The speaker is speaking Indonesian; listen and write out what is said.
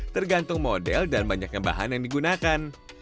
tergantung model dan banyaknya bahan yang digunakan